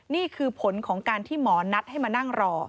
นี่คือผลของการที่หมอนัดให้มานั่งรอ